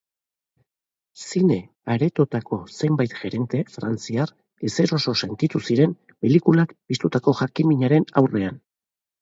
Zine aretoetako zenbait gerente frantziar ezeroso sentitu ziren pelikulak piztutako jakinminaren aurrean.